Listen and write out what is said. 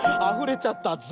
あふれちゃった。